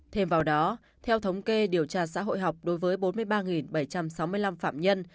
thêm vào đó theo thống kê điều tra xã hội học đối với bốn mươi ba bảy trăm sáu mươi năm phạm nhân